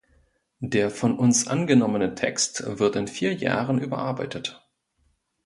Der von uns angenommene Text wird in vier Jahren überarbeitet.